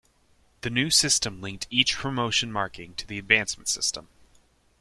The new system linked each promotion marking to the advancement system.